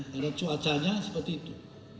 karena cuacanya seperti itu